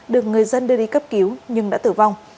được người dân đưa đi cấp cứu nhưng đã tử vong